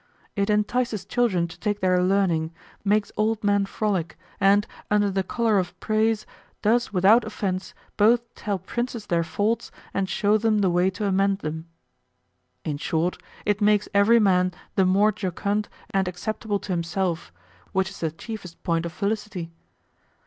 It entices children to take their learning, makes old men frolic, and, under the color of praise, does without offense both tell princes their faults and show them the way to amend them. In short, it makes every man the more jocund and acceptable to himself, which is the chiefest point of felicity.